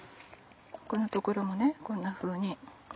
ここの所もねこんなふうに。